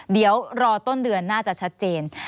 เดี๋ยวรอต้นเดือนน่าจะชัดเจน